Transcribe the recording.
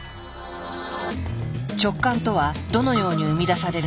直感とはどのように生み出されるのか。